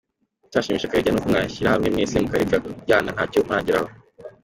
icyashimisha Karegeya nuko mwashyirahamwe mweze mukareka kuryana ntacyo murageraho